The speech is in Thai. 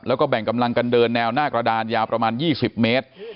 แล้วก็แบ่งกำลังกันเดินแนวหน้ากระดานยาวประมาณ๒๐เมตร